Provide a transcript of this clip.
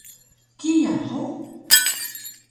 Kiya hug?